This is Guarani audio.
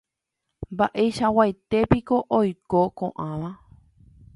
mba'eichakuépiko oiko ko'ãva.